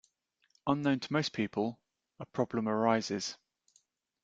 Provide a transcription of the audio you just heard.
Unknown to most people, a problem arises.